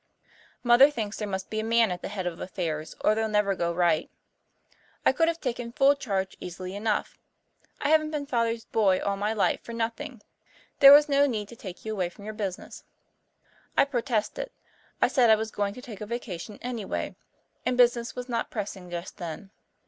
Mother thinks there must be a man at the head of affairs or they'll never go right. I could have taken full charge easily enough; I haven't been Father's 'boy' all my life for nothing. There was no need to take you away from your business." I protested. I said I was going to take a vacation anyway, and business was not pressing just then.